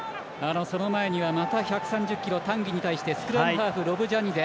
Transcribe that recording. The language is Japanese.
その前にはまた１３０ｋｇ、タンギに対してスクラムハーフ、ロブジャニゼ。